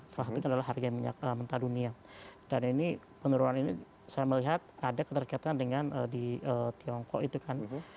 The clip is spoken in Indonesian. salah satunya adalah harga minyak mentah dunia dan ini penurunan ini saya melihat ada keterkaitan dengan di tiongkok itu kan